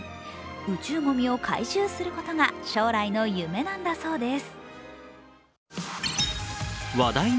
宇宙ごみを回収することが将来の夢なんだそうです。